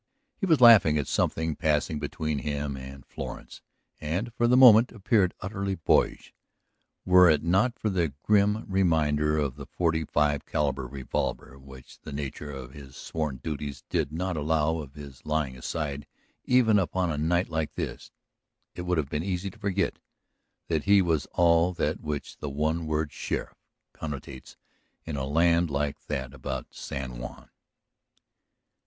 He was laughing at something passing between him and Florence, and for the moment appeared utterly boyish. Were it not for the grim reminder of the forty five caliber revolver which the nature of his sworn duties did not allow of his laying aside even upon a night like this, it would have been easy to forget that he was all that which the one word sheriff connotes in a land like that about San Juan.